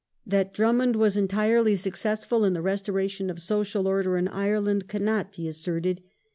That Drummond was entirely successful in the restoration of social order in Ireland cannot be asserted.